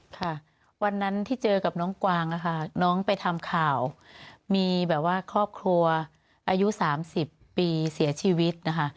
ค่ะวันนั้นที่เจอกับน้องกวางนะคะน้องไปทำข่าวมีแบบว่าครอบครัวอายุ๓๐ปีเสียชีวิตนะคะ